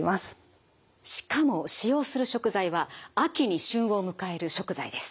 しかも使用する食材は秋に旬を迎える食材です。